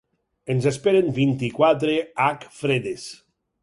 Ens esperen vint-i-quatre h fredes.